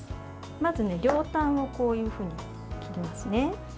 まず、両端をこういうふうに切りますね。